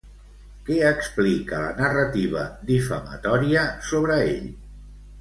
Què explica la narrativa difamatòria sobre ell?